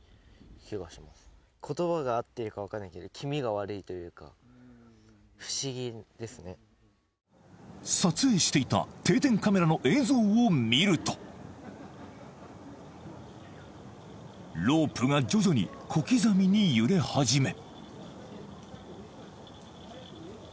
言葉が合ってるかわかんないけど気味が悪いというか不思議ですね撮影していた定点カメラの映像を見るとロープが徐々に小刻みに揺れ始め